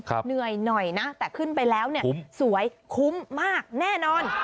เหนื่อยหน่อยนะแต่ขึ้นไปแล้วเนี่ยสวยคุ้มมากแน่นอน